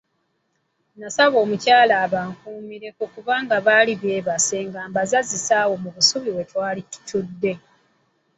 Nasaba omukyala abankuumireko kuba baali beebase nga mbazazise awo mu busubi we twali tutudde.